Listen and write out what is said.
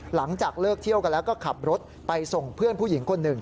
หลังจากเลิกเที่ยวกันแล้วก็ขับรถไปส่งเพื่อนผู้หญิงคนหนึ่ง